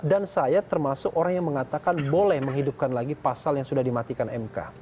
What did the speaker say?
dan saya termasuk orang yang mengatakan boleh menghidupkan lagi pasal yang sudah dimatikan mk